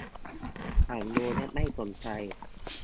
ฉันรู้ และไม่สนใจ